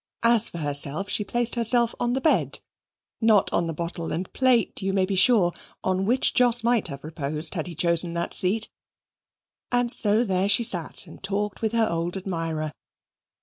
As for herself, she placed herself on the bed not on the bottle and plate, you may be sure on which Jos might have reposed, had he chosen that seat; and so there she sat and talked with her old admirer.